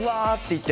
って。